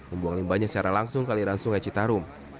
membuang limbahnya secara langsung ke aliran sungai citarum